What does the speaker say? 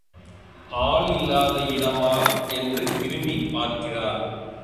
ஆள் இல்லாத இடமா என்று திரும்பிப் பார்க்கிறாள்.